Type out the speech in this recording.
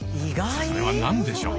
それは何でしょう？